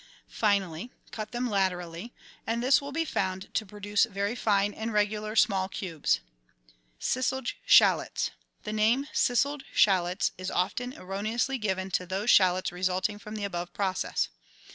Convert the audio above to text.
Finally, cut them laterally, and this will be found to produce very fine and regular, small cubes. Ciseled Shallots. — The name " ciseled shallots" is often erroneously given to those shallots resulting from the above process.